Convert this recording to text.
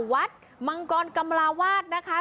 วัดมังกรกำลาวาสนะคะ